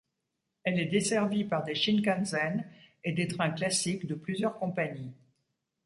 Elle est desservie par des Shinkansen et des trains classiques de plusieurs compagnies.